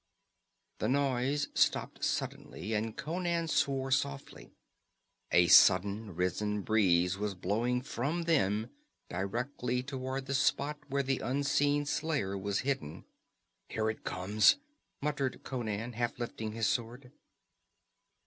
The noise stopped suddenly, and Conan swore softly. A suddenly risen breeze was blowing from them directly toward the spot where the unseen slayer was hidden. "Here it comes!" muttered Conan, half lifting his sword.